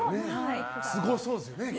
すごそうですよね。